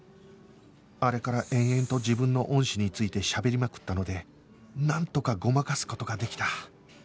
あれから延々と自分の恩師についてしゃべりまくったのでなんとかごまかす事ができた